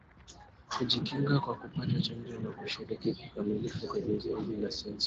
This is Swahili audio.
Kujikinga kwa kupata chanjo na kushiriki kikamilifu kwenye zoezi la Sensa